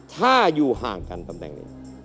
ถ้าอยู่ห่างดูกันพรรดี